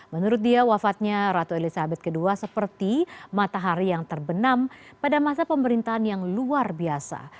menurut dia wafatnya ratu elizabeth ii seperti matahari yang terbenam pada masa pemerintahan yang luar biasa